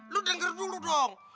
lu denger dulu dong